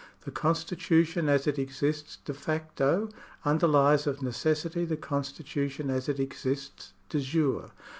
The constitution as it exists de facto underhes of necessity the constitution as it exists de jiire.